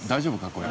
これ。